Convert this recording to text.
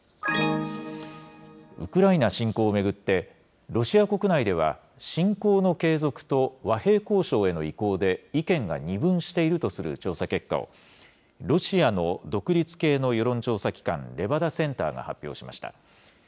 ウクライナ侵攻を巡って、ロシア国内では侵攻の継続と和平交渉への移行で意見が二分しているとする調査結果を、ロシアの独立系の世論調査機関、レバダセンターが発表しました。